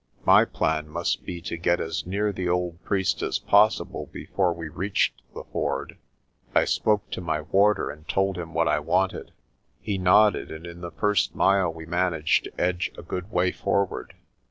My plan must be to get as near the old priest as possible before we reached the ford. I spoke to my warder and told him what I wanted. He nodded, and in the first mile we managed to edge a good way forward.